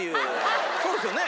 そうですよね？